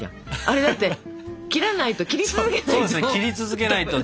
あれだって切らないと切り続けないと。